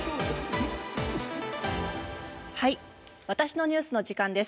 「わたしのニュース」の時間です。